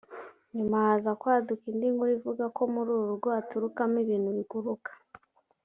nyuma haza kwaduka indi nkuru ivuga ko muri uru rugo ruturukamo ibintu biguruka